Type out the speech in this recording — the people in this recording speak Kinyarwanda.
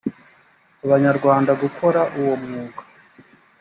abanyarwanda gukora uwo mwuga